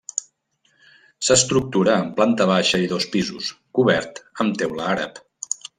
S'estructura en planta baixa i dos pisos, cobert amb teula àrab.